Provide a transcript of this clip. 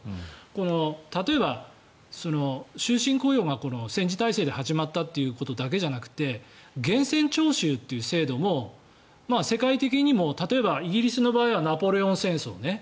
この例えば終身雇用が戦時体制で始まったということだけじゃなくて源泉徴収という制度も世界的にも例えばイギリスの場合はナポレオン戦争ね。